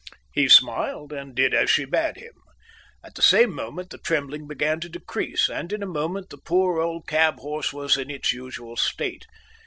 He smiled, and did as she bade him. At the same moment the trembling began to decrease, and in a moment the poor old cab horse was in its usual state.